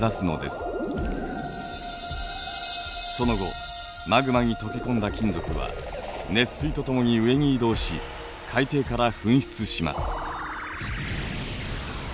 その後マグマに溶け込んだ金属は熱水と共に上に移動し海底から噴出します。